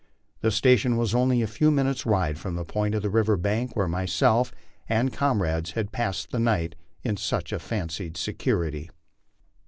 This station was only a few minutes' ride from the point on the river bank where myself and com rades had passed the night in such fancied security.